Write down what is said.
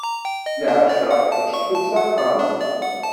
Leɛca, ikcem-d s axxam.